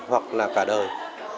hoặc là cả đời